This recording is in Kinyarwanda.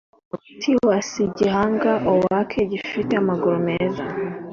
Twas igihangange Oak gifite amaguru meza